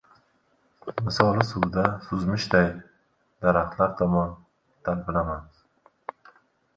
Misoli suvda suzmishday, daraxtlar tomon talpinaman.